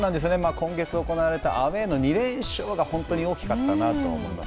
今月行われたアウェーの２連勝が本当に大きかったなと思います。